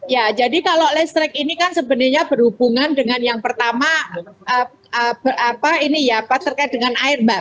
ya jadi kalau listrik ini kan sebenarnya berhubungan dengan yang pertama terkait dengan air mbak